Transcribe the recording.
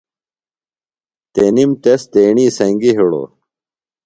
تنِم تس تیݨی سنگیۡ ہِڑوۡ۔